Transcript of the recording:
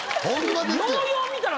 ようよう見たら。